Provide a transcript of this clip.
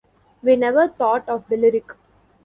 We never thought of the lyric.